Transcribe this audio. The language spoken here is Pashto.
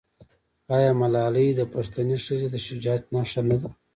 آیا ملالۍ د پښتنې ښځې د شجاعت نښه نه ده؟